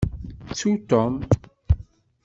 Ttu Tom.